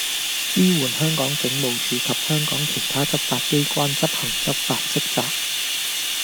支援香港警務處及香港其他執法機關執行執法職責